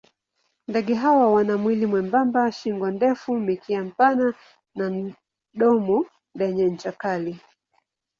Ndege hawa wana mwili mwembamba, shingo ndefu, mkia mpana na domo lenye ncha kali.